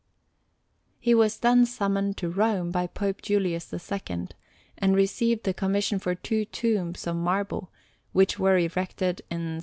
He was then summoned to Rome by Pope Julius II, and received the commission for two tombs of marble, which were erected in S.